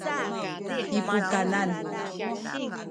i pukanan